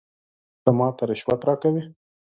ته ماته رشوت راکوې ؟